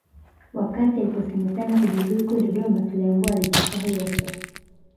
Wakati aliposemekana kujiuzulu kule Dodoma tuliambiwa aliichafua hali ya hewa